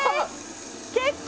結構。